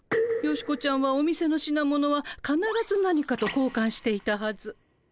ヨシコちゃんはお店の品物はかならず何かと交換していたはず。